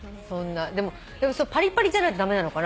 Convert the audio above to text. でもパリパリじゃないと駄目なのかなぁ。